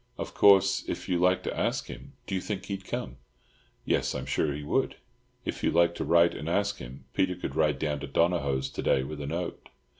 "Of course, if you like to ask him—" "Do you think he'd come?" "Yes, I'm sure he would. If you like to write and ask him, Peter could ride down to Donohoe's to day with a note."